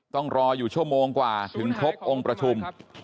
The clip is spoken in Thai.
ต้องรออยู่ชั่วโมงกว่าถึงครบองค์ประชุม